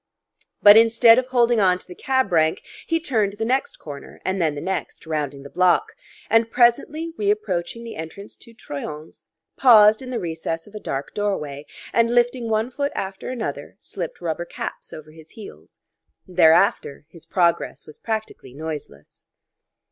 But instead of holding on to the cab rank, he turned the next corner, and then the next, rounding the block; and presently, reapproaching the entrance to Troyon's, paused in the recess of a dark doorway and, lifting one foot after another, slipped rubber caps over his heels. Thereafter his progress was practically noiseless.